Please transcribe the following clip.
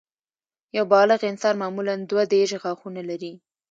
یو بالغ انسان معمولاً دوه دیرش غاښونه لري